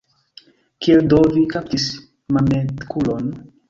Kiel do vi kaptis Mametkulon?